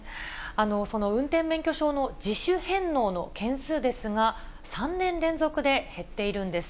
その運転免許証の自主返納の件数ですが、３年連続で減っているんです。